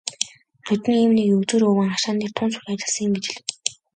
"Ноднин ийм нэг егзөр өвгөн хашаан дээр тун сүрхий ажилласан юм" гэж хэлэв.